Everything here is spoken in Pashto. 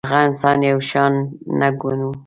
هغه انسان یو شان نه ګڼو.